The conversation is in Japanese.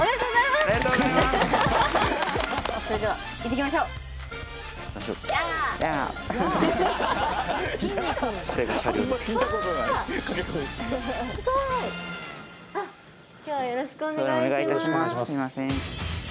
すいません。